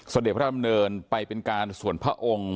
เสด็จพระดำเนินไปเป็นการส่วนพระองค์